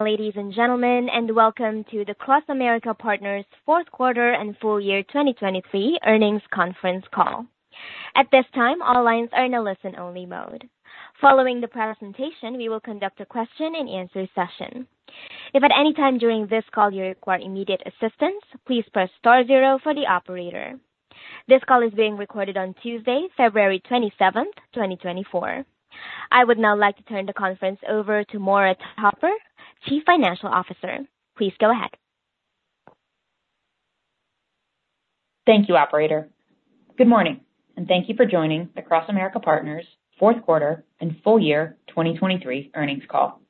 Ladies and gentlemen, Welcome to the CrossAmerica Partners' Q4 and full year 2023 earnings conference call. At this time, all lines are in a listen-only mode. Following the presentation, we will conduct a question-and-answer session. If at any time during this call you require immediate assistance, please press star zero for the operator. This call is being recorded on Tuesday, February 27th, 2024. I would now like to turn the conference over to Maura Topper, Chief Financial Officer. Please go ahead. Thank you, Operator. Good morning, and thank you for joining the CrossAmerica Partners' Q4 and full year 2023 earnings call.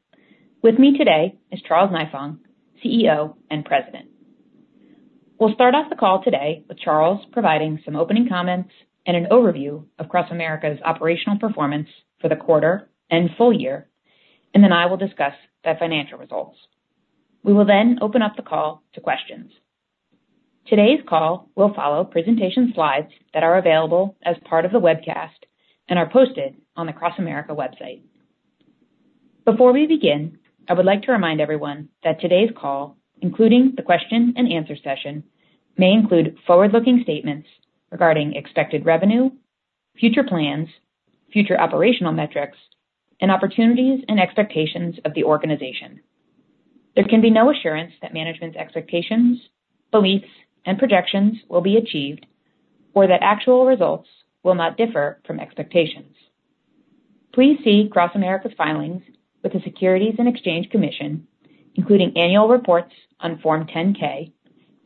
With me today is Charles Nifong, CEO and President. We'll start off the call today with Charles providing some opening comments and an overview of CrossAmerica's operational performance for the quarter and full year, and then I will discuss their financial results. We will then open up the call to questions. Today's call will follow presentation slides that are available as part of the webcast and are posted on the CrossAmerica website. Before we begin, I would like to remind everyone that today's call, including the question-and-answer session, may include forward-looking statements regarding expected revenue, future plans, future operational metrics, and opportunities and expectations of the organization. There can be no assurance that management's expectations, beliefs, and projections will be achieved, or that actual results will not differ from expectations. Please see CrossAmerica's filings with the Securities and Exchange Commission, including annual reports on Form 10-K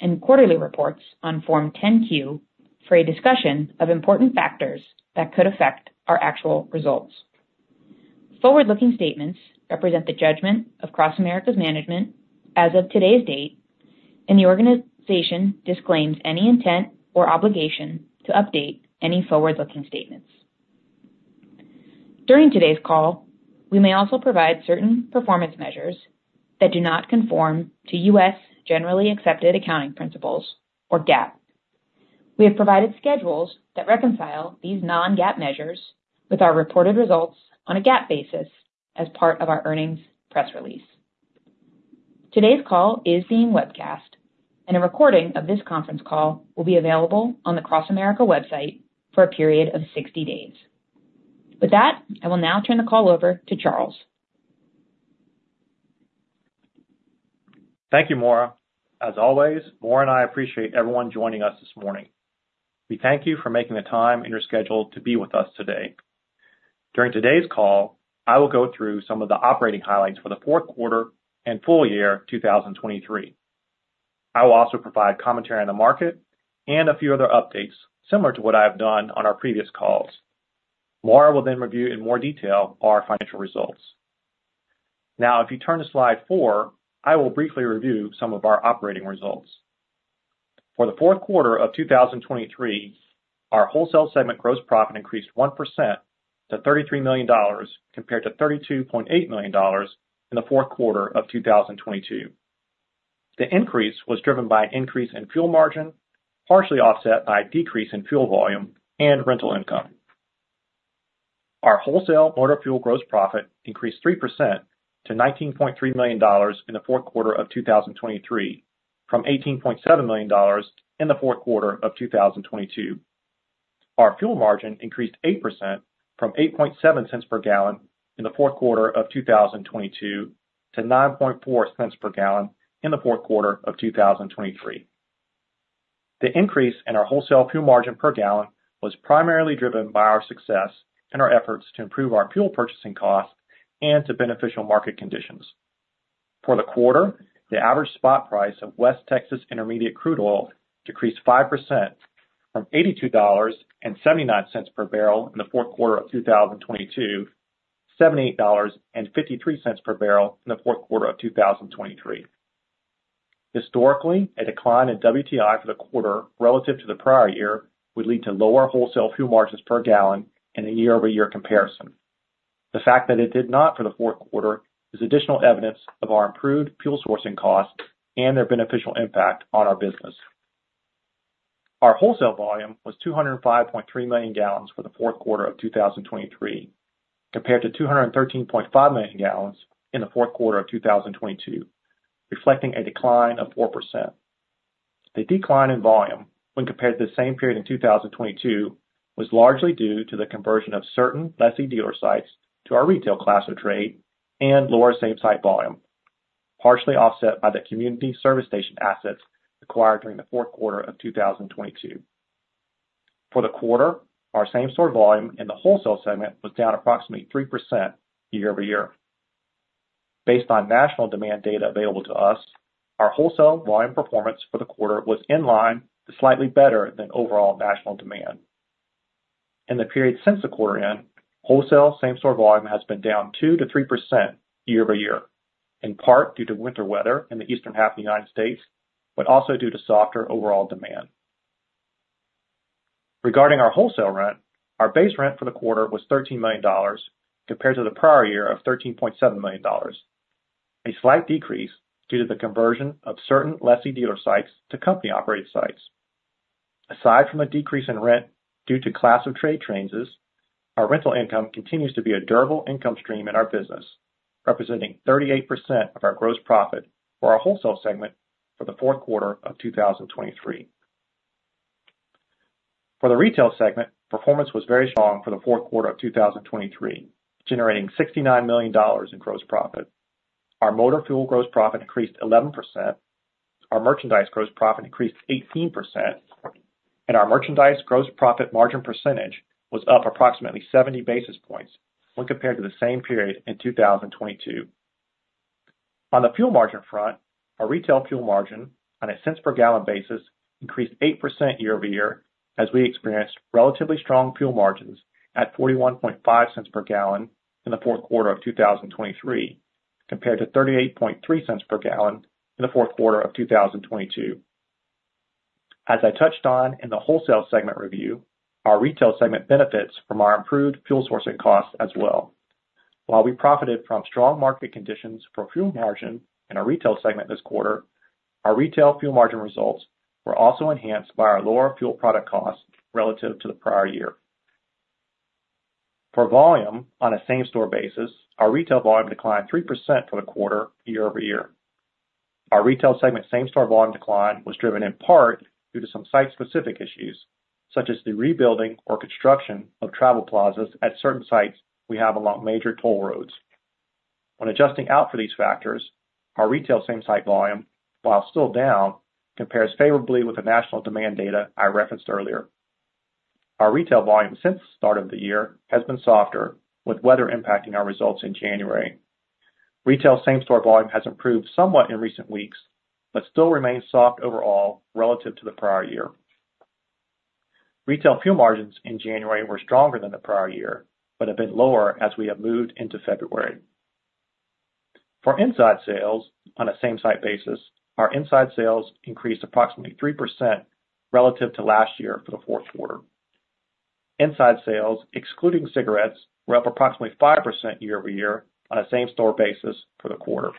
and quarterly reports on Form 10-Q for a discussion of important factors that could affect our actual results. Forward-looking statements represent the judgment of CrossAmerica's management as of today's date, and the organization disclaims any intent or obligation to update any forward-looking statements. During today's call, we may also provide certain performance measures that do not conform to U.S. generally accepted accounting principles, or GAAP. We have provided schedules that reconcile these non-GAAP measures with our reported results on a GAAP basis as part of our earnings press release. Today's call is being webcast, and a recording of this conference call will be available on the CrossAmerica website for a period of 60 days. With that, I will now turn the call over to Charles. Thank you, Maura. As always, Maura and I appreciate everyone joining us this morning. We thank you for making the time in your schedule to be with us today. During today's call, I will go through some of the operating highlights for the Q4 and full year 2023. I will also provide commentary on the market and a few other updates similar to what I have done on our previous calls. Maura will then review in more detail our financial results. Now, if you turn to slide 4, I will briefly review some of our operating results. For the Q4 of 2023, our wholesale segment gross profit increased 1% to $33 million compared to $32.8 million in the Q4 of 2022. The increase was driven by an increase in fuel margin, partially offset by a decrease in fuel volume and rental income. Our wholesale motor fuel gross profit increased 3% to $19.3 million in the Q4 of 2023 from $18.7 million in the Q4 of 2022. Our fuel margin increased 8% from 8.7 cents per gal in the Q4 of 2022 to 9.4 cents per gal in the Q4 of 2023. The increase in our wholesale fuel margin per gal was primarily driven by our success and our efforts to improve our fuel purchasing costs and due to beneficial market conditions. For the quarter, the average spot price of West Texas Intermediate Crude Oil decreased 5% from $82.79 per barrel in the Q4 of 2022 to $78.53 per barrel in the Q4 of 2023. Historically, a decline in WTI for the quarter relative to the prior year would lead to lower wholesale fuel margins per gal in a year-over-year comparison. The fact that it did not for the Q4 is additional evidence of our improved fuel sourcing costs and their beneficial impact on our business. Our wholesale volume was 205.3 million gals for the Q4 of 2023 compared to 213.5 million gals in the Q4 of 2022, reflecting a decline of 4%. The decline in volume when compared to the same period in 2022 was largely due to the conversion of certain lessee dealer sites to our retail class of trade and lower same-store volume, partially offset by the Community Service Stations assets acquired during the Q4 of 2022. For the quarter, our same-store volume in the wholesale segment was down approximately 3% year-over-year. Based on national demand data available to us, our wholesale volume performance for the quarter was in line to slightly better than overall national demand. In the period since the quarter end, wholesale same-store volume has been down 2%-3% year-over-year, in part due to winter weather in the eastern half of the United States, but also due to softer overall demand. Regarding our wholesale rent, our base rent for the quarter was $13 million compared to the prior year of $13.7 million, a slight decrease due to the conversion of certain lessee dealer sites to company-operated sites. Aside from a decrease in rent due to class-of-trade changes, our rental income continues to be a durable income stream in our business, representing 38% of our gross profit for our wholesale segment for the Q4 of 2023. For the retail segment, performance was very strong for the Q4 of 2023, generating $69 million in gross profit. Our motor fuel gross profit increased 11%, our merchandise gross profit increased 18%, and our merchandise gross profit margin percentage was up approximately 70 basis points when compared to the same period in 2022. On the fuel margin front, our retail fuel margin on a cents-per-gal basis increased 8% year-over-year as we experienced relatively strong fuel margins at 41.5 cents per gal in the Q4 of 2023 compared to 38.3 cents per gal in the Q4 of 2022. As I touched on in the wholesale segment review, our retail segment benefits from our improved fuel sourcing costs as well. While we profited from strong market conditions for fuel margin in our retail segment this quarter, our retail fuel margin results were also enhanced by our lower fuel product costs relative to the prior year. For volume on a same-store basis, our retail volume declined 3% for the quarter year-over-year. Our retail segment same-store volume decline was driven in part due to some site-specific issues, such as the rebuilding or construction of travel plazas at certain sites we have along major toll roads. When adjusting out for these factors, our retail same-store volume, while still down, compares favorably with the national demand data I referenced earlier. Our retail volume since the start of the year has been softer, with weather impacting our results in January. Retail same-store volume has improved somewhat in recent weeks but still remains soft overall relative to the prior year. Retail fuel margins in January were stronger than the prior year but have been lower as we have moved into February. For inside sales on a same-site basis, our inside sales increased approximately 3% relative to last year for the Q4. Inside sales, excluding cigarettes, were up approximately 5% year-over-year on a same-store basis for the quarter.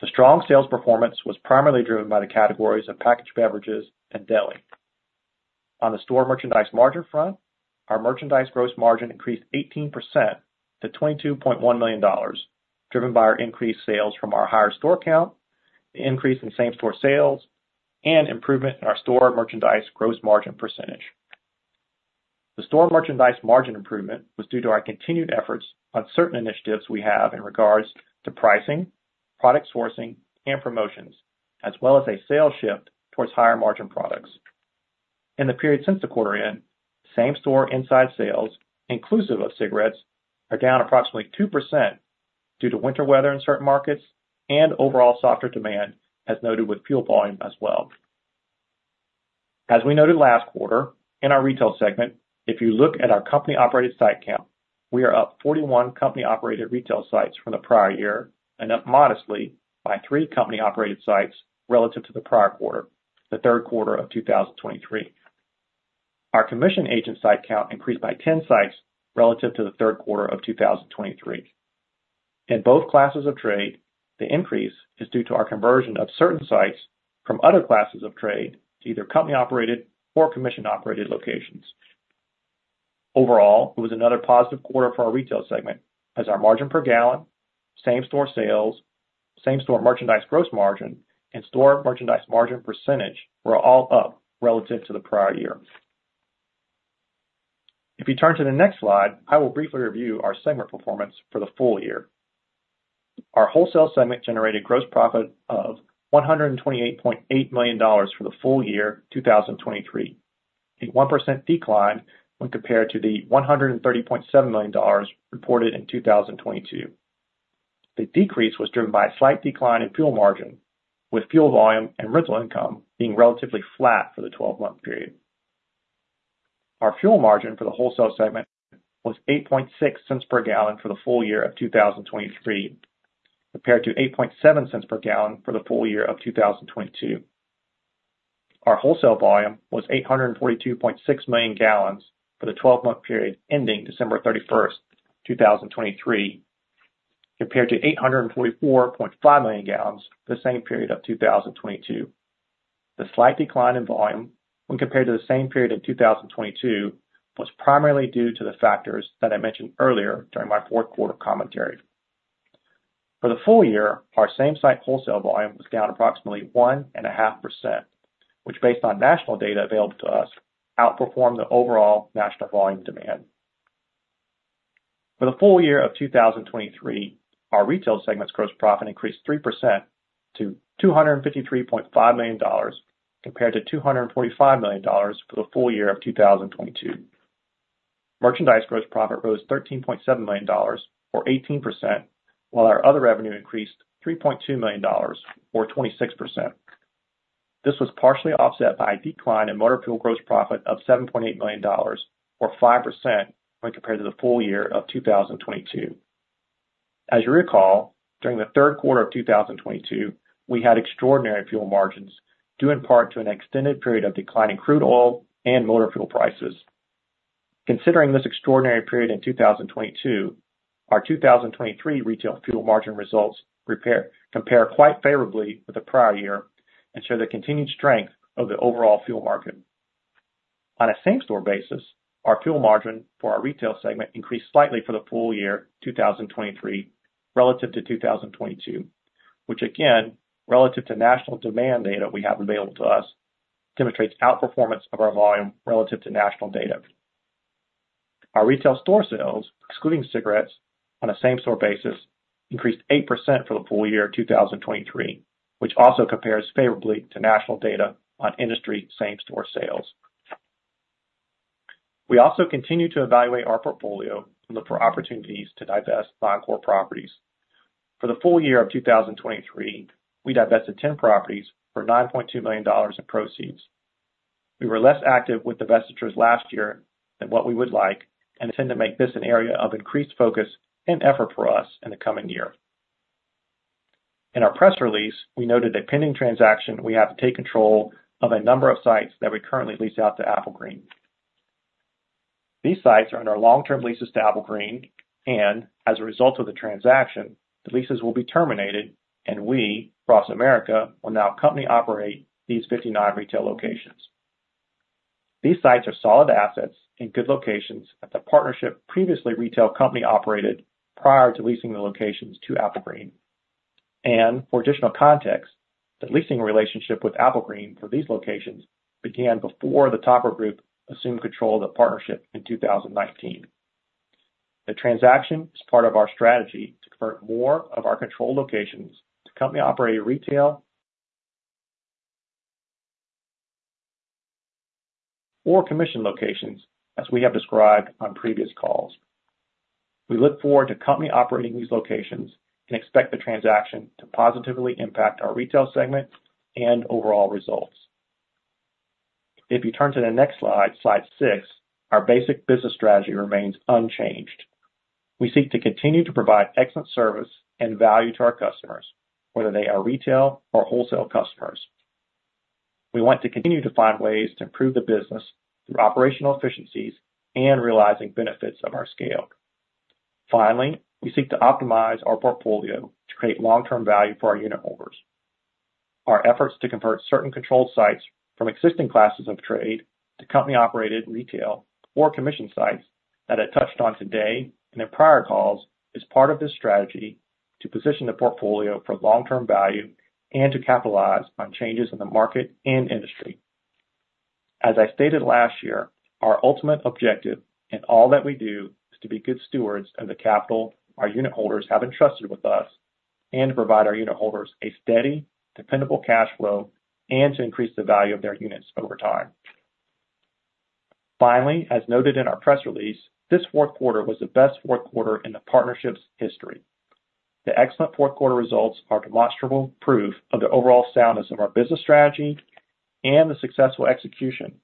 The strong sales performance was primarily driven by the categories of packaged beverages and deli. On the store merchandise margin front, our merchandise gross margin increased 18% to $22.1 million, driven by our increased sales from our higher store count, the increase in same-store sales, and improvement in our store merchandise gross margin percentage. The store merchandise margin improvement was due to our continued efforts on certain initiatives we have in regards to pricing, product sourcing, and promotions, as well as a sales shift towards higher margin products. In the period since the quarter end, same-store inside sales, inclusive of cigarettes, are down approximately 2% due to winter weather in certain markets and overall softer demand, as noted with fuel volume as well. As we noted last quarter, in our retail segment, if you look at our company-operated site count, we are up 41 company-operated retail sites from the prior year and up modestly by three company-operated sites relative to the prior quarter, the Q3 of 2023. Our commission agent site count increased by 10 sites relative to the Q3 of 2023. In both classes of trade, the increase is due to our conversion of certain sites from other classes of trade to either company-operated or commission-operated locations. Overall, it was another positive quarter for our retail segment as our margin per gal, same-store sales, same-store merchandise gross margin, and store merchandise margin percentage were all up relative to the prior year. If you turn to the next slide, I will briefly review our segment performance for the full year. Our wholesale segment generated gross profit of $128.8 million for the full year 2023, a 1% decline when compared to the $130.7 million reported in 2022. The decrease was driven by a slight decline in fuel margin, with fuel volume and rental income being relatively flat for the 12-month period. Our fuel margin for the wholesale segment was $0.086 per gal for the full year of 2023 compared to $0.087 per gal for the full year of 2022. Our wholesale volume was 842.6 million gals for the 12-month period ending December 31, 2023, compared to 844.5 million gals for the same period of 2022. The slight decline in volume when compared to the same period in 2022 was primarily due to the factors that I mentioned earlier during my Q4 commentary. For the full year, our same-site wholesale volume was down approximately 1.5%, which, based on national data available to us, outperformed the overall national volume demand. For the full year of 2023, our retail segment's gross profit increased 3% to $253.5 million compared to $245 million for the full year of 2022. Merchandise gross profit rose $13.7 million, or 18%, while our other revenue increased $3.2 million, or 26%. This was partially offset by a decline in motor fuel gross profit of $7.8 million, or 5%, when compared to the full year of 2022. As you recall, during the Q3 of 2022, we had extraordinary fuel margins due in part to an extended period of declining crude oil and motor fuel prices. Considering this extraordinary period in 2022, our 2023 retail fuel margin results compare quite favorably with the prior year and show the continued strength of the overall fuel market. On a same-store basis, our fuel margin for our retail segment increased slightly for the full year 2023 relative to 2022, which, again, relative to national demand data we have available to us, demonstrates outperformance of our volume relative to national data. Our retail store sales, excluding cigarettes, on a same-store basis increased 8% for the full year of 2023, which also compares favorably to national data on industry same-store sales. We also continue to evaluate our portfolio and look for opportunities to divest non-core properties. For the full year of 2023, we divested 10 properties for $9.2 million in proceeds. We were less active with divestitures last year than what we would like and intend to make this an area of increased focus and effort for us in the coming year. In our press release, we noted a pending transaction we have to take control of a number of sites that we currently lease out to Applegreen. These sites are under long-term leases to Applegreen and, as a result of the transaction, the leases will be terminated and we, CrossAmerica, will now company-operate these 59 retail locations. These sites are solid assets in good locations that the Partnership previously company-operated prior to leasing the locations to Applegreen. For additional context, the leasing relationship with Applegreen for these locations began before the Topper Group assumed control of the partnership in 2019. The transaction is part of our strategy to convert more of our controlled locations to company-operated retail or commission locations, as we have described on previous calls. We look forward to company-operating these locations and expect the transaction to positively impact our retail segment and overall results. If you turn to the next slide, slide 6, our basic business strategy remains unchanged. We seek to continue to provide excellent service and value to our customers, whether they are retail or wholesale customers. We want to continue to find ways to improve the business through operational efficiencies and realizing benefits of our scale. Finally, we seek to optimize our portfolio to create long-term value for our unit holders. Our efforts to convert certain controlled sites from existing classes of trade to company-operated retail or commission sites that I touched on today and in prior calls is part of this strategy to position the portfolio for long-term value and to capitalize on changes in the market and industry. As I stated last year, our ultimate objective in all that we do is to be good stewards of the capital our unitholders have entrusted with us and to provide our unitholders a steady, dependable cash flow and to increase the value of their units over time. Finally, as noted in our press release, this Q4 was the best Q4 in the partnership's history. The excellent Q4 results are demonstrable proof of the overall soundness of our business strategy and the successful execution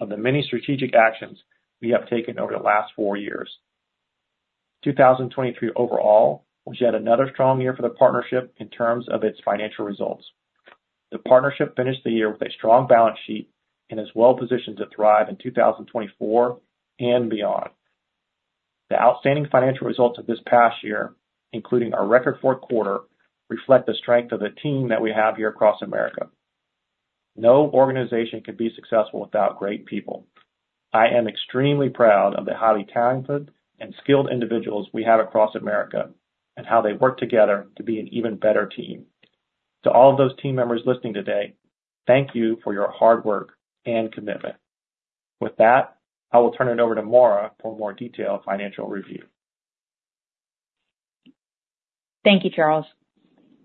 of the many strategic actions we have taken over the last four years. 2023 overall was yet another strong year for the partnership in terms of its financial results. The partnership finished the year with a strong balance sheet and is well positioned to thrive in 2024 and beyond. The outstanding financial results of this past year, including our record Q4, reflect the strength of the team that we have here at CrossAmerica. No organization can be successful without great people. I am extremely proud of the highly talented and skilled individuals we have across America and how they work together to be an even better team. To all of those team members listening today, thank you for your hard work and commitment. With that, I will turn it over to Maura for more detailed financial review. Thank you, Charles.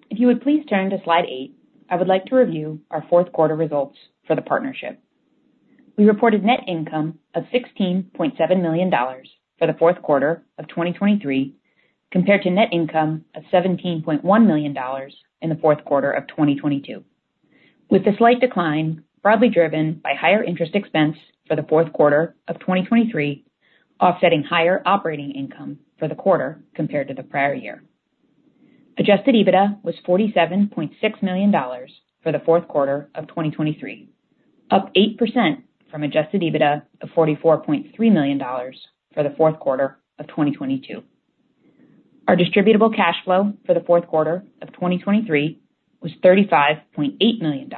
If you would please turn to slide 8, I would like to review our Q4 results for the partnership. We reported net income of $16.7 million for the Q4 of 2023 compared to net income of $17.1 million in the Q4 of 2022, with a slight decline broadly driven by higher interest expense for the Q4 of 2023 offsetting higher operating income for the quarter compared to the prior year. Adjusted EBITDA was $47.6 million for the Q4 of 2023, up 8% from adjusted EBITDA of $44.3 million for the Q4 of 2022. Our distributable cash flow for the Q4 of 2023 was $35.8 million,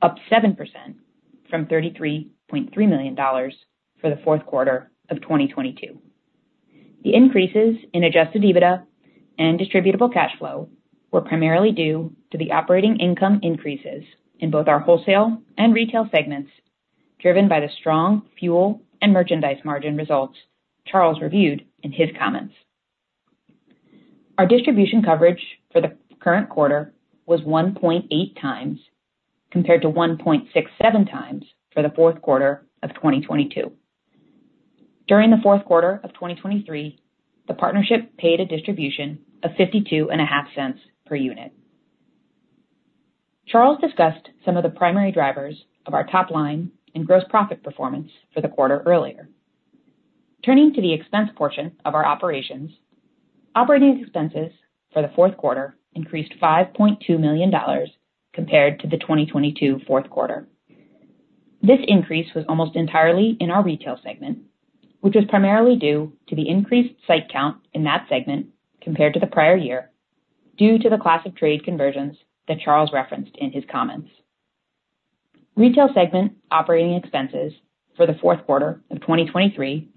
up 7% from $33.3 million for the Q4 of 2022. The increases in adjusted EBITDA and distributable cash flow were primarily due to the operating income increases in both our wholesale and retail segments, driven by the strong fuel and merchandise margin results Charles reviewed in his comments. Our distribution coverage for the current quarter was 1.8 times compared to 1.67 times for the Q4 of 2022. During the Q4 of 2023, the partnership paid a distribution of $0.525 per unit. Charles discussed some of the primary drivers of our top line and gross profit performance for the quarter earlier. Turning to the expense portion of our operations, operating expenses for the Q4 increased $5.2 million compared to the 2022 Q4. This increase was almost entirely in our Retail segment, which was primarily due to the increased site count in that segment compared to the prior year due to the Class of Trade conversions that Charles referenced in his comments. Retail segment operating expenses for the Q4 of 2023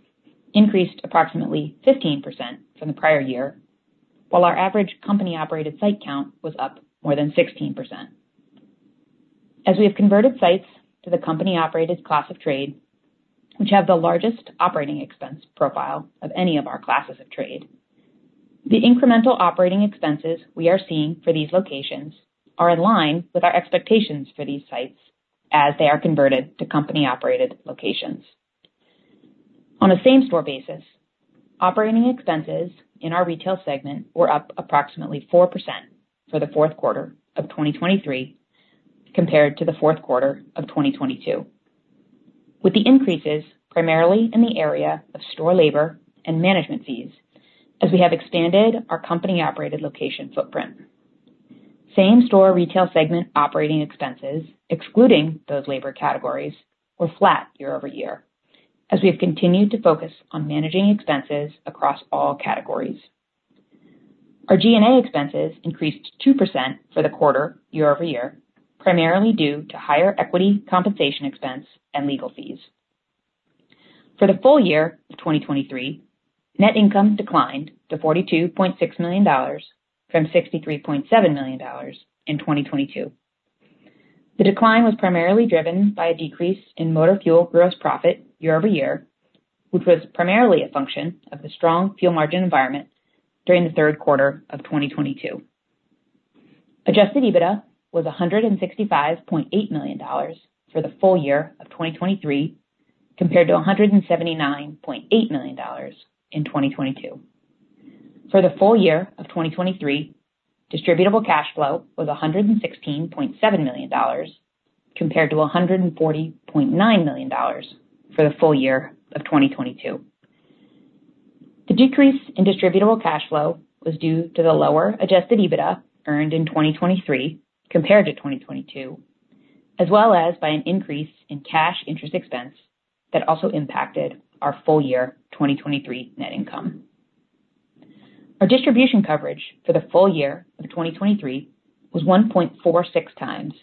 increased approximately 15% from the prior year, while our average Company-Operated site count was up more than 16%. As we have converted sites to the company-operated class of trade, which have the largest operating expense profile of any of our classes of trade, the incremental operating expenses we are seeing for these locations are in line with our expectations for these sites as they are converted to company-operated locations. On a same-store basis, operating expenses in our retail segment were up approximately 4% for the Q4 of 2023 compared to the Q4 of 2022, with the increases primarily in the area of store labor and management fees as we have expanded our company-operated location footprint. Same-store retail segment operating expenses, excluding those labor categories, were flat year-over-year as we have continued to focus on managing expenses across all categories. Our G&A expenses increased 2% for the quarter year-over-year, primarily due to higher equity compensation expense and legal fees. For the full year of 2023, net income declined to $42.6 million from $63.7 million in 2022. The decline was primarily driven by a decrease in motor fuel gross profit year-over-year, which was primarily a function of the strong fuel margin environment during the Q3 of 2022. Adjusted EBITDA was $165.8 million for the full year of 2023 compared to $179.8 million in 2022. For the full year of 2023, distributable cash flow was $116.7 million compared to $140.9 million for the full year of 2022. The decrease in distributable cash flow was due to the lower Adjusted EBITDA earned in 2023 compared to 2022, as well as by an increase in cash interest expense that also impacted our full year 2023 net income. Our distribution coverage for the full year of 2023 was 1.46 times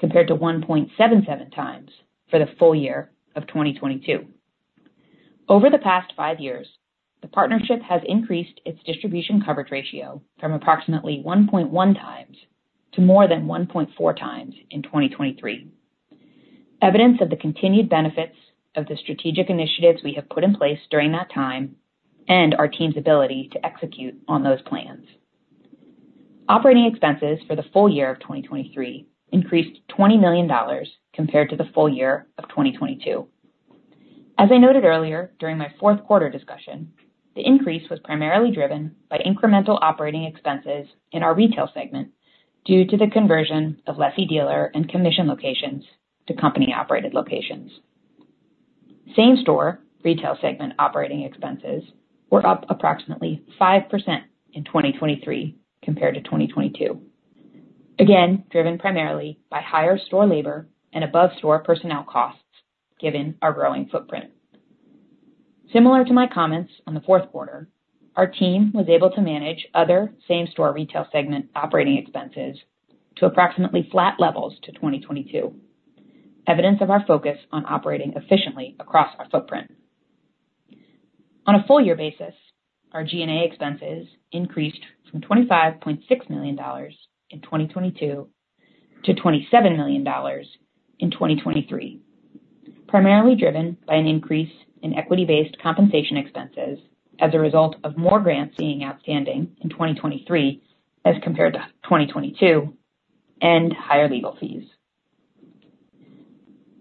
compared to 1.77 times for the full year of 2022. Over the past five years, the partnership has increased its distribution coverage ratio from approximately 1.1 times to more than 1.4 times in 2023, evidence of the continued benefits of the strategic initiatives we have put in place during that time and our team's ability to execute on those plans. Operating expenses for the full year of 2023 increased $20 million compared to the full year of 2022. As I noted earlier during my Q4 discussion, the increase was primarily driven by incremental operating expenses in our retail segment due to the conversion of Lessee Dealer and commission locations to company-operated locations. Same-Store retail segment operating expenses were up approximately 5% in 2023 compared to 2022, again driven primarily by higher store labor and above-store personnel costs given our growing footprint. Similar to my comments on the Q4, our team was able to manage other same-store retail segment operating expenses to approximately flat levels to 2022, evidence of our focus on operating efficiently across our footprint. On a full year basis, our G&A expenses increased from $25.6 million in 2022 to $27 million in 2023, primarily driven by an increase in equity-based compensation expenses as a result of more grants being outstanding in 2023 as compared to 2022 and higher legal fees.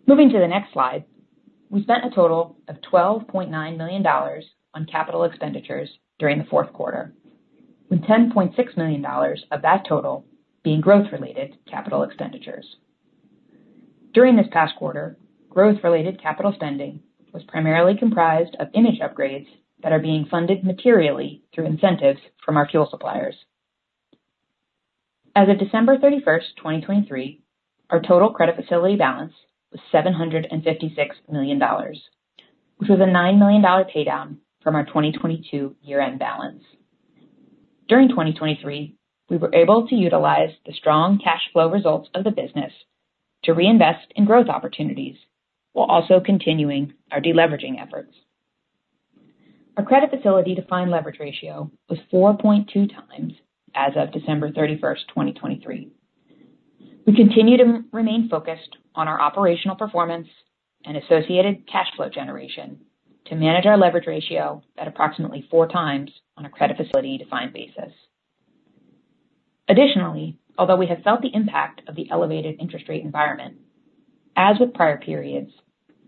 Moving to the next slide, we spent a total of $12.9 million on capital expenditures during the Q4, with $10.6 million of that total being growth-related capital expenditures. During this past quarter, growth-related capital spending was primarily comprised of image upgrades that are being funded materially through incentives from our fuel suppliers. As of December 31st, 2023, our total credit facility balance was $756 million, which was a $9 million paydown from our 2022 year-end balance. During 2023, we were able to utilize the strong cash flow results of the business to reinvest in growth opportunities while also continuing our deleveraging efforts. Our credit facility defined leverage ratio was 4.2 times as of December 31st, 2023. We continue to remain focused on our operational performance and associated cash flow generation to manage our leverage ratio at approximately four times on a credit facility defined basis. Additionally, although we have felt the impact of the elevated interest rate environment, as with prior periods,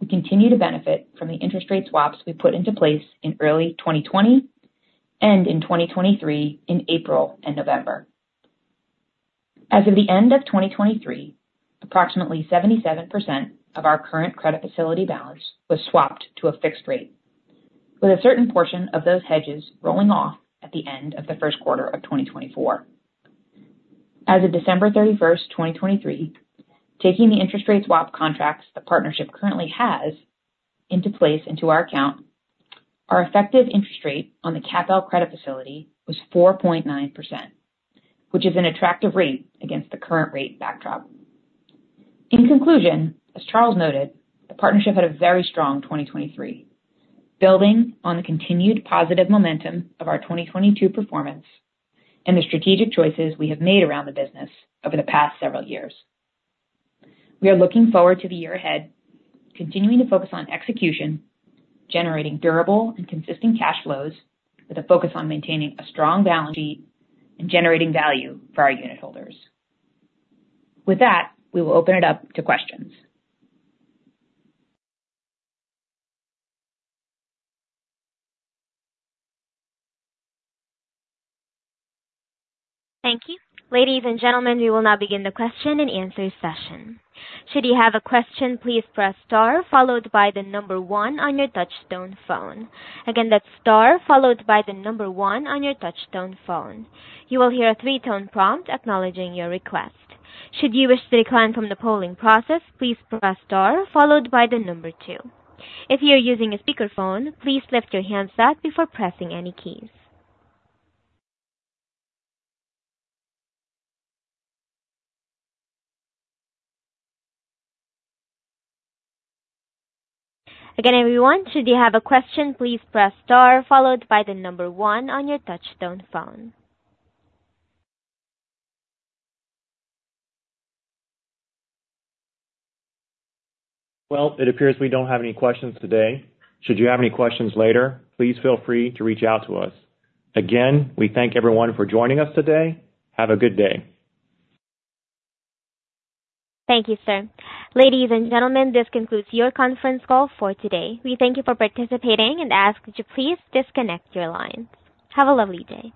we continue to benefit from the interest rate swaps we put into place in early 2020 and in 2023 in April and November. As of the end of 2023, approximately 77% of our current credit facility balance was swapped to a fixed rate, with a certain portion of those hedges rolling off at the end of the Q1 of 2024. As of December 31st, 2023, taking the interest rate swap contracts the partnership currently has into place into our account, our effective interest rate on the CAPL credit facility was 4.9%, which is an attractive rate against the current rate backdrop. In conclusion, as Charles noted, the partnership had a very strong 2023, building on the continued positive momentum of our 2022 performance and the strategic choices we have made around the business over the past several years. We are looking forward to the year ahead, continuing to focus on execution, generating durable and consistent cash flows with a focus on maintaining a strong balance sheet and generating value for our unit holders. With that, we will open it up to questions. Thank you. Ladies and gentlemen, we will now begin the question and answer session. Should you have a question, please press star followed by the number one on your touch-tone phone. Again, that's star followed by the number one on your touch-tone phone. You will hear a three-tone prompt acknowledging your request. Should you wish to decline from the polling process, please press star followed by the number two. If you are using a speakerphone, please lift your hands up before pressing any keys. Again, everyone, should you have a question, please press star followed by the number one on your touch-tone phone. Well, it appears we don't have any questions today. Should you have any questions later, please feel free to reach out to us. Again, we thank everyone for joining us today. Have a good day. Thank you, sir. Ladies and gentlemen, this concludes your conference call for today. We thank you for participating and ask that you please disconnect your lines. Have a lovely day.